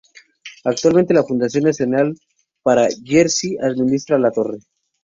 Actualmente, la Fundación Nacional para Jersey administra la torre.